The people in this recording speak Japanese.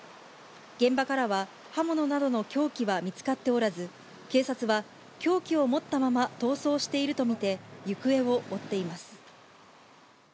現場からは刃物などの凶器は見つかっておらず、警察は凶器を持ったまま逃走していると見て、行方を追っています。